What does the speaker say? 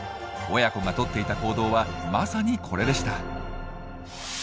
親子がとっていた行動はまさにこれでした。